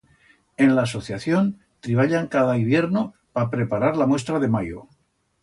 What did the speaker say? En l'asociación triballan cada hibierno pa preparar la muestra de mayo.